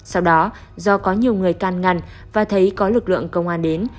sau đó do có nhiều người can ngăn và thấy có lực lượng công an đến